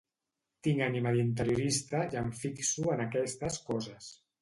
Tinc ànima d'interiorista i em fixo en aquestes coses.